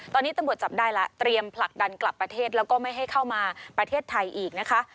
ตอนนี้ตำรวจจับได้แล้วเตรียมผลักดันกลับประเทศแล้วก็ไม่ให้เข้ามาประเทศไทยอีกนะคะ